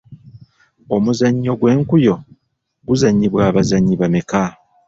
Omuzannyo gw'enkuyo guzanyibwa abazannyi bameka ?